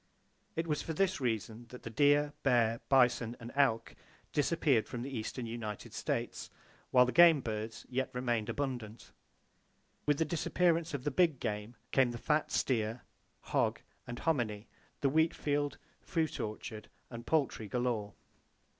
It was for this reason that the deer, bear, bison, and elk disappeared from the eastern United States while the game birds yet remained abundant. With the disappearance of the big game came the fat steer, hog and hominy, the wheat field, fruit orchard and poultry galore.